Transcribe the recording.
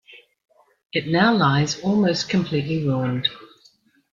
It now lies almost completely ruined.